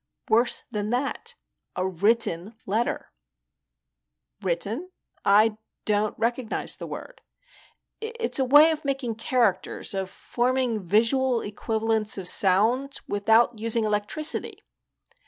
"Worse than that. A written letter." "Written? I don't recognize the word." "It's a way of making characters, of forming visual equivalents of sound, without using electricity.